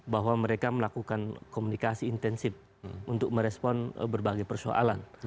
bahwa mereka melakukan komunikasi intensif untuk merespon berbagai persoalan